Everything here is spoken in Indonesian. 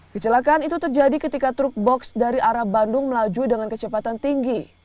kecelakaan itu terjadi ketika truk box dari arah bandung melaju dengan kecepatan tinggi